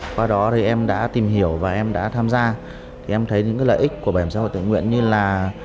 qua đó thì em đã tìm hiểu và em đã tham gia em thấy những cái lợi ích của bảo hiểm suất tự nguyện như là